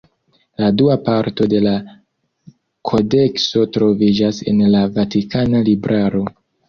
La dua parto de la kodekso troviĝas en la Vatikana libraro.